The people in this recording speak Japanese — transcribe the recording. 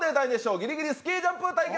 ぎりぎりスキージャンプ対決！